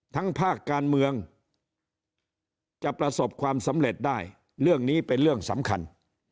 ภาคการเมืองจะประสบความสำเร็จได้เรื่องนี้เป็นเรื่องสำคัญ